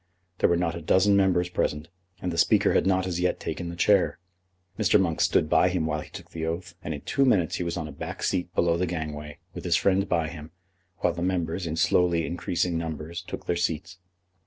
There were not a dozen members present, and the Speaker had not as yet taken the chair. Mr. Monk stood by him while he took the oath, and in two minutes he was on a back seat below the gangway, with his friend by him, while the members, in slowly increasing numbers, took their seats.